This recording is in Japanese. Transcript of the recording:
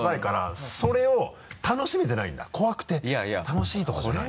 楽しいとかじゃない。